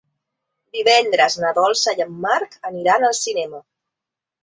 Divendres na Dolça i en Marc aniran al cinema.